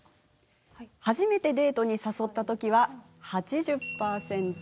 初めてデートに誘ったときは８０％。